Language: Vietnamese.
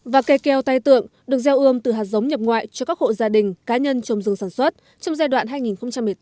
và cây keo tay tượng được gieo ươm từ hạt giống nhập ngoại cho các hộ gia đình cá nhân trồng rừng sản xuất trong giai đoạn hai nghìn một mươi sáu hai nghìn hai mươi